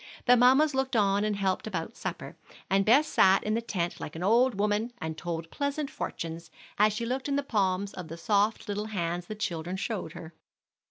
The mammas looked on and helped about supper, and Bess sat in the tent like an old woman, and told pleasant fortunes, as she looked in the palms of the soft little hands the children showed her.